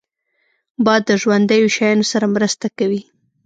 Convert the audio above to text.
باد د ژوندیو شیانو سره مرسته کوي